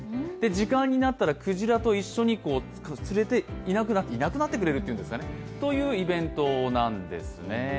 時間になったらクジラと一緒にいなくなってくれるというんですかね、イベントなんですね。